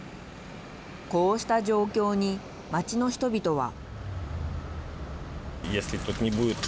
こうした状況に街の人々は。